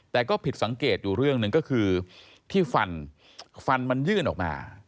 แต่ก็ผิดสังเกตอยู่เรื่องหนึ่งก็คือที่ฟันฟันมันยื่นออกมา